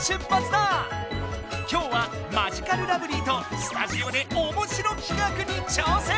きょうはマヂカルラブリーとスタジオでおもしろきかくに挑戦！